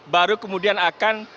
baru kemudian akan